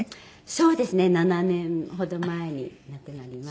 そうですね７年ほど前に亡くなりました。